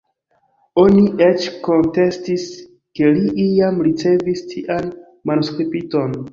Oni eĉ kontestis, ke li iam ricevis tian manuskripton.